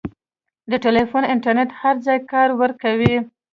د ټیلیفون انټرنېټ هر ځای کار ورکوي.